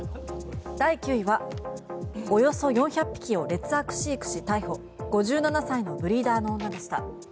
第９位はおよそ４００匹を劣悪飼育し逮捕５７歳のブリーダーの女でした。